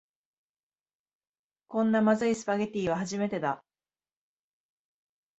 こんなまずいスパゲティは初めてだ